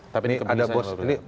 tapi ini ada bos ini